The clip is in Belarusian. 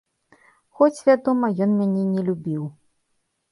Хоць, вядома, ён мяне не любіў.